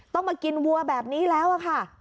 ต้องมากินวัวแบบนี้แล้วค่ะ